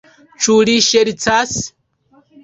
Ĉu li ŝercas?